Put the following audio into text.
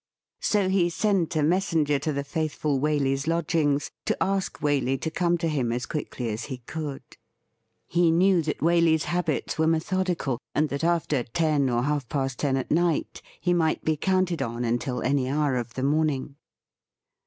So he sent a messenger to the faithful Waley's lodgings to ask Waley to come to him as quickly as he could. He knew that Waley's habits were methodical, and that after 228 THE RIDDLE RING ten or half past ten at night he might be counted on until any hour of the morning.